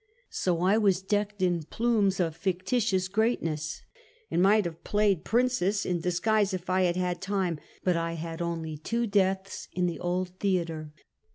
So I was decked in plumes of fictitious greatness, and might have played princess in disguise if I had had time; but I had only two deaths in the old theater — More Yictims and a Change of Base.